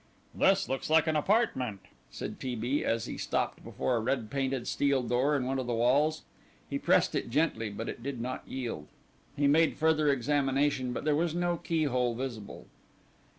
"This looks like an apartment," said T. B., as he stopped before a red painted steel door in one of the walls. He pressed it gently, but it did not yield. He made a further examination, but there was no keyhole visible.